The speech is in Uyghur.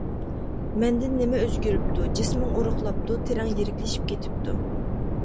مەندىن نېمە ئۆزگىرىپتۇ؟ -جىسمىڭ ئورۇقلاپتۇ، تېرەڭ يىرىكلىشىپ كېتىپتۇ.